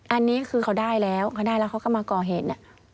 อันนี้คือเขาได้แล้วเขาได้แล้วเขาก็มาก่อเหตุ